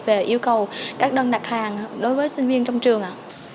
về yêu cầu các đơn đặt hàng đối với sinh viên trong trường